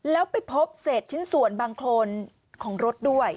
แล้วไปพบเศษชิ้นส่วนบางโครนของรถด้วย